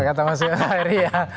kata mas yulairi ya